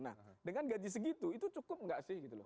nah dengan gaji segitu itu cukup nggak sih gitu loh